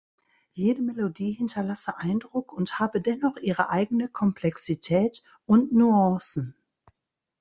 Jede Melodie hinterlasse Eindruck und habe dennoch ihre eigene Komplexität und Nuancen.